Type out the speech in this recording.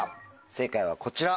正解はこちら。